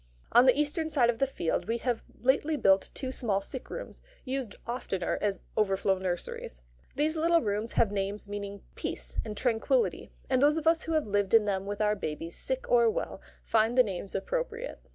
On the eastern side of the field we have lately built two small sick rooms, used oftener as overflow nurseries. These little rooms have names meaning "peace" and "tranquillity"; and those of us who have lived in them with our babies, sick or well, find the names appropriate.